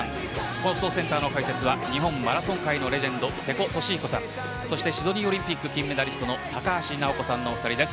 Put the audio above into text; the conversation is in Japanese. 放送センターの解説は日本マラソン界のレジェンド瀬古利彦さんシドニーオリンピック金メダリストの高橋尚子さんの２人です。